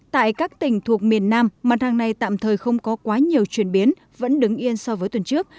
tại các tỉnh thuộc miền nam mặt hàng này tạm thời không có quá nhiều chuyển biến vẫn đứng yên so với tuần trước